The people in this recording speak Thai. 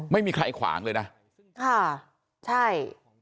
ไม่มีใครขวางเลยนะค่ะใช่